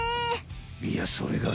いやそれがね